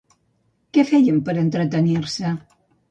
Què feien per entretenir-se?